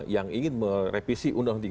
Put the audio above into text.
yang ingin merevisi undang undang tiga